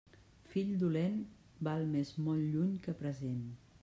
Fill dolent, val més molt lluny que present.